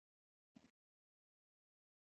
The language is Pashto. د راتلونکي لپاره پلان جوړول اړین دي.